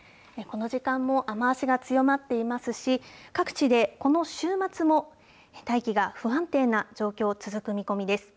この時間も雨足が強まっていますし、各地でこの週末も大気が不安定な状況、続く見込みです。